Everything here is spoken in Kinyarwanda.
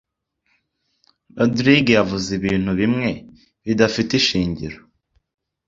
Rogride yavuze ibintu bimwe bidafite ishingiro.